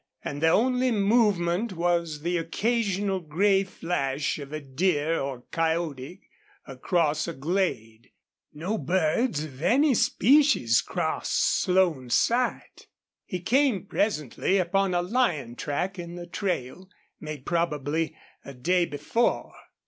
And the only movement was the occasional gray flash of a deer or coyote across a glade. No birds of any species crossed Stone's sight. He came, presently, upon a lion track in the trail, made probably a day before.